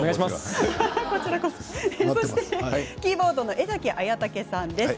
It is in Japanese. キーボードの江崎文武さんです。